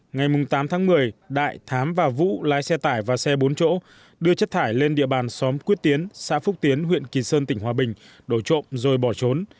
ngày tám tháng một mươi đại thám và vũ lái xe tải vào xe bốn chỗ đưa chất thải lên địa bàn xóm quyết tiến xã phúc tiến huyện kỳ sơn tỉnh hòa bình đổi trộm rồi bỏ trốn